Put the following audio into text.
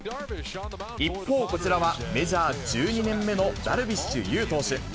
一方、こちらはメジャー１２年目のダルビッシュ有投手。